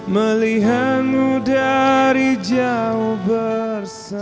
melihatmu dari jauh bersama